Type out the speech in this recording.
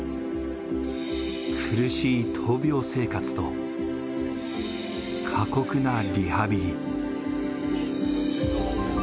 苦しい闘病生活と過酷なリハビリ。